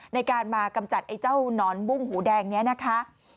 ในการมากำจัดไอ้เจ้านอนบุ้งหูแดงเนี่ยนะคะ